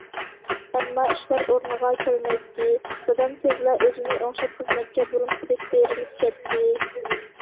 ئەمما ئىشلار ئورنىغا كەلمەيتتى..... دادام تېزلا ئۆزىنى ئوڭشاپ خىزمەتكە بۇرۇنقىدەك بېرىلىپ كەتتى.